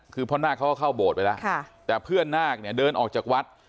คือพ่อนาคเขาก็เข้าโบสถ์ไปแล้วแต่เพื่อนนาคเนี่ยเดินออกจากวัด